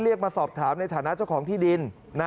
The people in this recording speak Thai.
มาสอบถามในฐานะเจ้าของที่ดิน